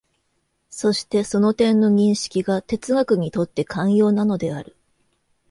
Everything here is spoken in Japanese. そしてその点の認識が哲学にとって肝要なのである。